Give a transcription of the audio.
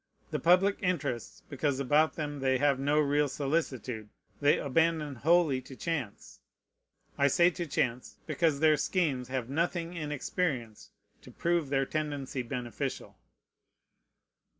The public interests, because about them they have no real solicitude, they abandon wholly to chance: I say to chance, because their schemes have nothing in experience to prove their tendency beneficial.